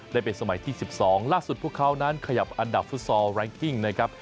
ได้เป็นสมัยที่๑๒ล่าสุดพวกเขานั้นขยับอันดับฟุตซอลแรงกิ้งนะครับ